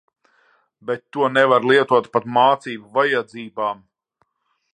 Bet to nevaru lietot pat mācību vajadzībām.